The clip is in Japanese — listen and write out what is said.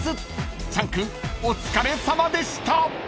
［チャン君お疲れさまでした］